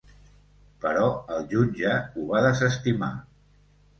Però el jutge ho va desestimar.